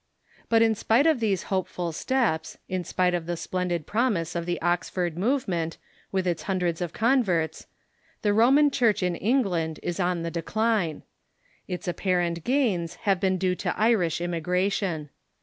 But in spite of these hopeful steps, in spite of the splendid promise of the Oxford movement, with its hundreds of converts, the Roman Church in England is on the decline. Its apparent gains have been due to Irish immigration.